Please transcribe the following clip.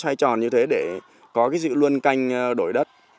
thay tròn như thế để có cái dự luân canh đổi đất